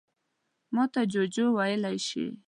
_ماته جُوجُو ويلی شې.